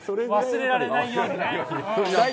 忘れられないようにね。